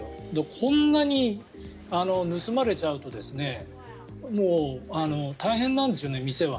こんなに盗まれちゃうと大変なんですよね、店は。